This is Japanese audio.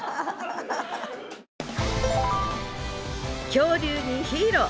恐竜にヒーロー。